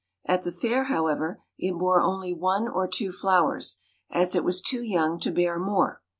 At the Fair, however, it bore only one or two flowers, as it was too young to bear more.